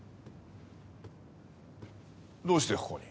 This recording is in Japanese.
どうしてここに？